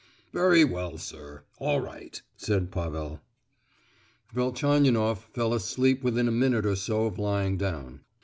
"Very well, sir; all right," said Pavel. Velchaninoff fell asleep within a minute or so of lying down.